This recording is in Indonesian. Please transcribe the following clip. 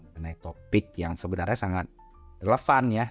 mengenai topik yang sebenarnya sangat relevan ya